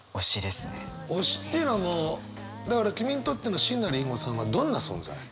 推しっていうのはもうだから君にとっての椎名林檎さんはどんな存在？